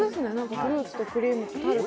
フルーツ、クリームとタルト。